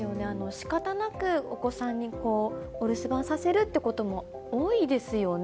しかたなくお子さんにお留守番させるってことも多いですよね。